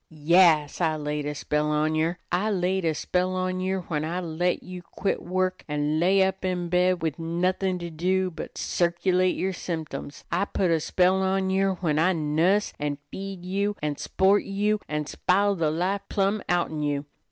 "Yas, I laid a spell on yer! I laid a spell on yer when I let you quit work, an' lay up in bed wid nothin' to do but to circulate yer symtems. I put a spell on yer when I nuss you an' feed you an' s'port you an' spile the life plumb outen you.